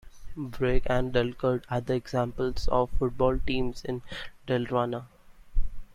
Brage and Dalkurd are examples of football teams in Dalarna.